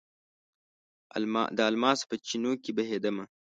د الماسو په چېنو کې بهیدمه